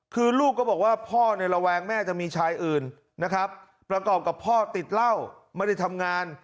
คือลูกก็บอกว่าพ่อในระแวงแม่จะมีชายอื่นนะครับประกอบกับพ่อติดเหล้าไม่ได้ทำงาน